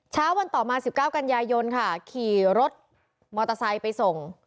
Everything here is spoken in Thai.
เช้าวันต่อมา๑๙กันยายนค่ะขี่รถมอเตอร์ไซค์ไปส่ง